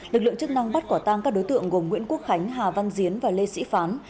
lực lượng chức năng bắt quả tang các đối tượng gồm nguyễn quốc khánh hà văn diến và lê sĩ phán